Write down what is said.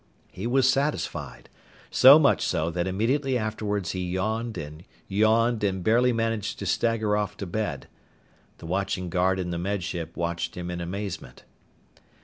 He was satisfied, so much so that immediately afterward he yawned and yawned and barely managed to stagger off to bed. The watching guard in the Med Ship watched him in amazement.